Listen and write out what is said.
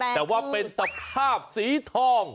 แต่ว่าเป็นตะภาพสีทอง